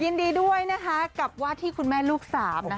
ยินดีด้วยนะคะกับว่าที่คุณแม่ลูกสามนะคะ